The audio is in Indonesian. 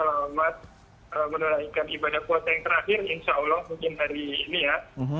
selamat menunaikan ibadah puasa yang terakhir insya allah mungkin hari ini ya